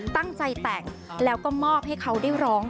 ตั้งใจแต่งแล้วก็มอบให้เขาได้ร้อง